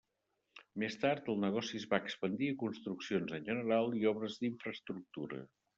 Més tard, el negoci es va expandir a construccions en general i obres d'infraestructura.